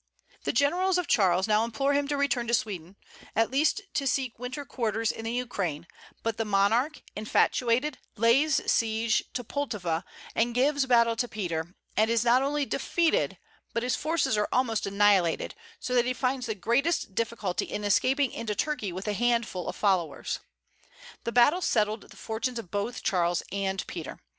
The generals of Charles now implore him to return to Sweden, at least to seek winter quarters in the Ukraine; but the monarch, infatuated, lays siege to Pultowa, and gives battle to Peter, and is not only defeated, but his forces are almost annihilated, so that he finds the greatest difficulty in escaping into Turkey with a handful of followers. That battle settled the fortunes of both Charles and Peter.